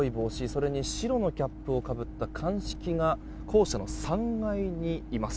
それに白のキャップをかぶった鑑識が校舎の３階にいます。